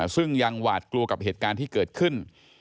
ซึ่งยังหวาดกลัวกับเหตุการณ์ที่เกิดขึ้น